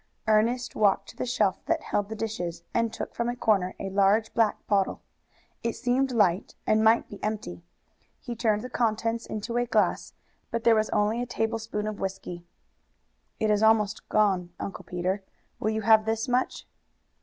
Ernest walked to the shelf that held the dishes, and took from a corner a large black bottle. It seemed light, and might be empty. He turned the contents into a glass, but there was only a tablespoonful of whisky. "It is almost all gone, Uncle Peter; will you have this much?"